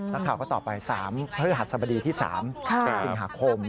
นักข่าวก็ตอบไป๓พฤหัสสบดีที่๓๑สิงหาคม